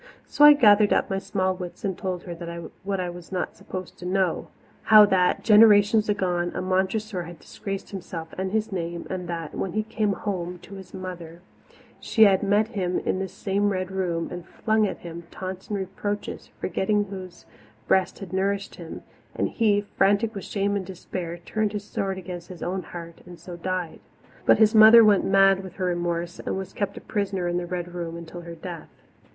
So I gathered up my small wits and told her what I was not supposed to know how that, generations agone, a Montressor had disgraced himself and his name, and that, when he came home to his mother, she had met him in that same Red Room and flung at him taunts and reproaches, forgetting whose breast had nourished him; and that he, frantic with shame and despair, turned his sword against his own heart and so died. But his mother went mad with her remorse, and was kept a prisoner in the Red Room until her death.